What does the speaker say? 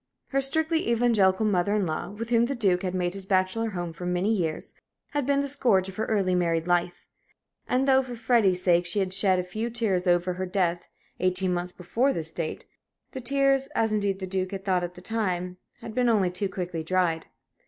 Her strictly Evangelical mother in law, with whom the Duke had made his bachelor home for many years, had been the scourge of her early married life; and though for Freddie's sake she had shed a few tears over her death, eighteen months before this date, the tears as indeed the Duke had thought at the time had been only too quickly dried.